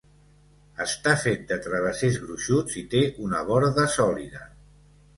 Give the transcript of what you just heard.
Està fet de travessers gruixuts i té una borda sòlida.